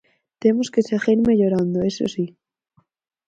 Temos que seguir mellorando, iso si.